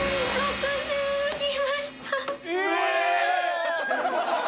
え！